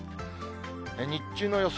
日中の予想